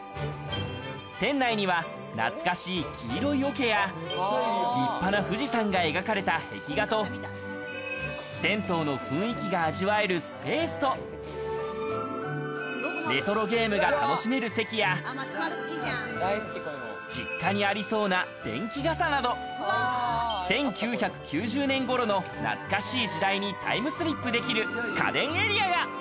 店内には懐かしい黄色い桶や、立派な富士山が描かれた壁画と銭湯の雰囲気が味わえるスペースと、レトロゲームが楽しめる席や、実家にありそうな電気がさなど、１９９０年頃の懐かしい時代にタイムスリップできる家電エリアが。